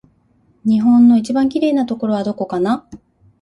日本の一番きれいなところはどこかな